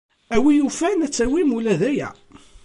A win yufan, ad tawim ula d aya.